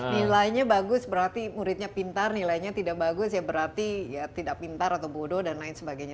nilainya bagus berarti muridnya pintar nilainya tidak bagus ya berarti ya tidak pintar atau bodoh dan lain sebagainya